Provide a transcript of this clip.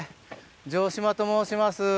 城島と申します。